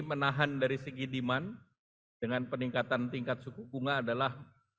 menahan dari segi demand dengan peningkatan tingkat suku bunga adalah